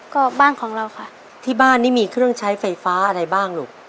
ก็บ้านของเราค่ะที่บ้านนี่มีเครื่องใช้ไฟฟ้าอะไรบ้างลูก